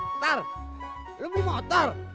patar lu beli motor